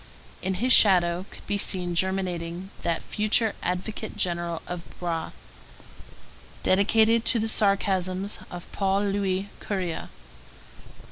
In his shadow could be seen germinating that future advocate general of Broë, dedicated to the sarcasms of Paul Louis Courier.